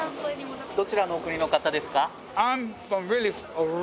どちらのお国の方ですか？